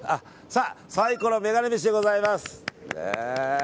サイコロメガネ飯でございます。